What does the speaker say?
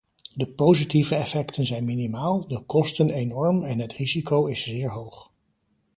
De positieve effecten zijn minimaal, de kosten enorm en het risico is zeer hoog.